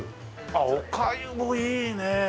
ああおかゆもいいね！